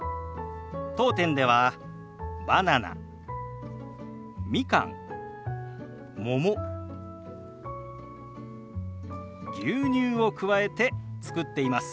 当店ではバナナみかんもも牛乳を加えて作っています。